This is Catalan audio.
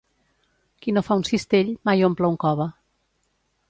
Qui no fa un cistell, mai omple un cove.